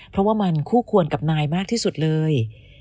เพราะว่ามันคู่ควรกับนายมากที่สุดเลย